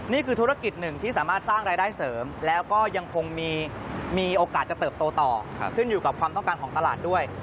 นี่คือธุรกิจหนึ่งที่สามารถสร้างรายได้เสริมแล้วก็ยังคงมีโอกาสจะเติบโตต่อขึ้นอยู่กับความต้องการของตลาดด้วย